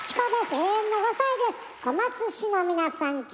永遠の５歳です。